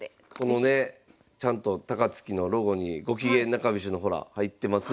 このねちゃんと高槻のロゴにゴキゲン中飛車のほら入ってます。